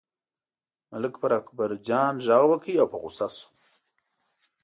ملک پر اکبرجان غږ وکړ او په غوسه شو.